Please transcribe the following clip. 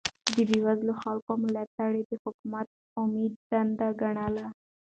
د بې وزلو خلکو ملاتړ يې د حکومت عمده دنده ګڼله.